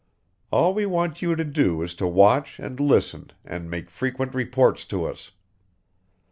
All we want you to do is to watch and listen and make frequent reports to us.